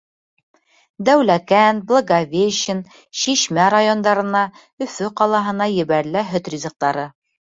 Дәүләкән, Благовещен, Шишмә райондарына, Өфө ҡалаһына ебәрелә һөт ризыҡтары.